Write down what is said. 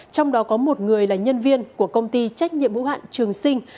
trong đó có một người là nhân viên của công ty trách nhiệm hữu hạn trường sinh